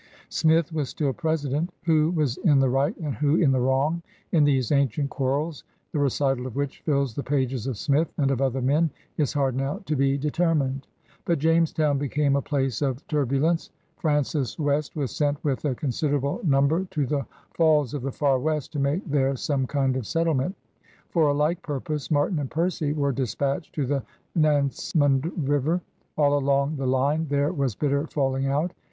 Smith was still President. Yfho was in the right and who in the wrong in these ancient quarrels, the recital of which fills the pages of Smith and of other men, is hard now to be de termined. But Jamestown became a place of tur bulence. Francis West was sent with a consider able nimiber to the Falls of the Far West to make there some kind of settlement. For a like purpose Martin and Percy were dispatched to the Nanse mond River. All along the line there was bitter falling out.